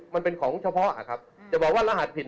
มันเป็นของเฉพาะครับจะบอกว่ารหัสผิด